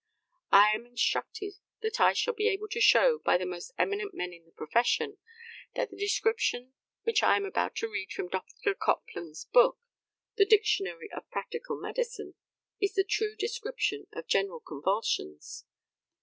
I am instructed that I shall be able to show, by the most eminent men in the profession, that the description which I am about to read from Dr. Copland's book, the Dictionary of Practical Medicine, is the true description of general convulsions.